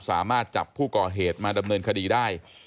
สามารถจับผู้ก่อเหตุมาดำเนินคดีได้